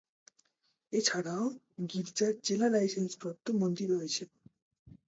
এছাড়াও গির্জার জেলা লাইসেন্সপ্রাপ্ত মন্ত্রী রয়েছে।